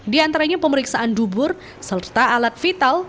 di antaranya pemeriksaan dubur serta alat vital